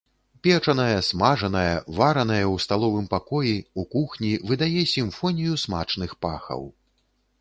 Печанае, смажанае, варанае ў сталовым пакоі, у кухні выдае сімфонію смачных пахаў.